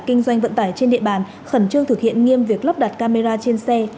kinh doanh vận tải trên địa bàn khẩn trương thực hiện nghiêm việc lắp đặt camera trên xe